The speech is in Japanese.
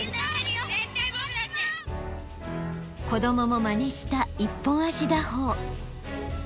子どももまねした一本足打法。